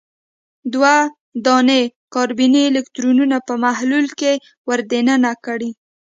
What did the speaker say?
دوه دانې کاربني الکترودونه په محلول کې ور د ننه کړئ.